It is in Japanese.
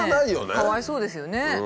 かわいそうですよね。